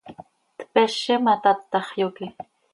Tpezi ma, tatax, yoque.